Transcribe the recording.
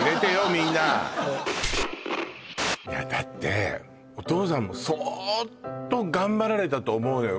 みんなだってお父さんも相当頑張られたと思うよ